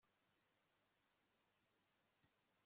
Tom yemera ko Mariya yiciwe